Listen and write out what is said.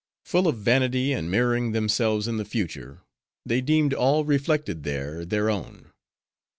Full of vanity; and mirroring themselves in the future; they deemed all reflected there, their own.